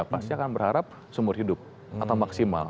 pasti akan berharap seumur hidup atau maksimal